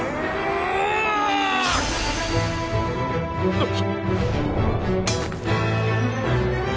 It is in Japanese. あっ！